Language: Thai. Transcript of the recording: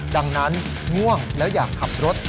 ดังนั้นง่วงแล้วอยากขับรถ